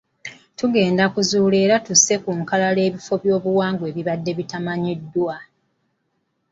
Tugenda kuzuula era tusse ku lukalala ebifo by’obuwangwa ebibadde tebimanyikiddwa.